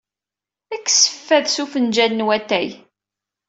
Kkes fad s ufenjal n watay.